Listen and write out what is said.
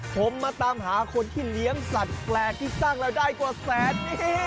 ผมมาตามหาคนที่เลี้ยงสัตว์แปลกที่สร้างรายได้กว่าแสน